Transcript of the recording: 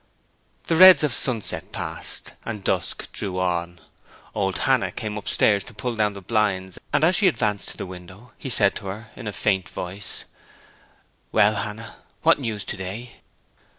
The reds of sunset passed, and dusk drew on. Old Hannah came upstairs to pull down the blinds and as she advanced to the window he said to her, in a faint voice, 'Well, Hannah, what news to day?'